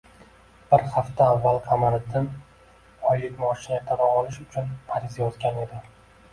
Bir hafta avval Qamariddin oylik maoshini ertaroq olish uchun ariza yozgan edi